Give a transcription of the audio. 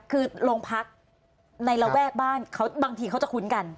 คือโรงพักในระแวกบ้านเขาบางทีเขาจะคุ้นกัน